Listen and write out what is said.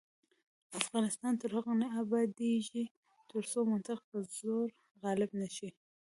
افغانستان تر هغو نه ابادیږي، ترڅو منطق پر زور غالب نشي.